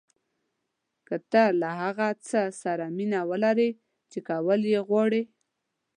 که تۀ له هغه څه سره مینه ولرې چې کول یې غواړې.